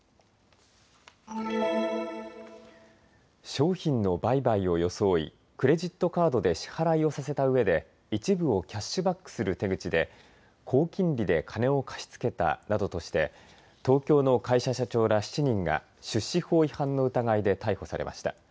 商品の売買を装いクレジットカードで支払いをさせたうえで一部をキャッシュバックする手口で高金利で金を貸し付けたなどとして東京の会社社長ら７人が出資法違反の疑いで逮捕されました。